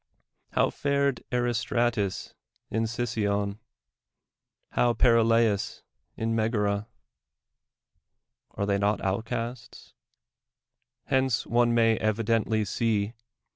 il()v\' fared Aris tratus in Sicyon? how Perilaiis in ]\legara ? Ari> they not outcasts? Hence one may evidently see.